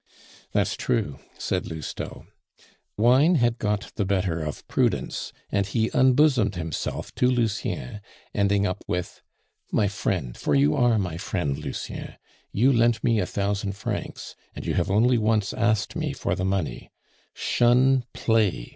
"That's true," said Lousteau. Wine had got the better of prudence, and he unbosomed himself to Lucien, ending up with: "My friend for you are my friend, Lucien; you lent me a thousand francs, and you have only once asked me for the money shun play!